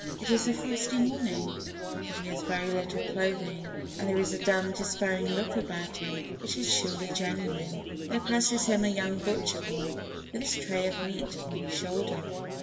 It is a frosty morning but he has very little clothing, and there is a dumb despairing look about him which is surely genuine. There passes him a young butcher boy with his tray of meat upon his shoulder.